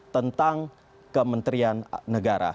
tentang kementerian negara